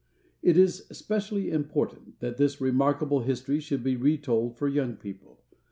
It is specially important that this remarkable history should be re told for young people.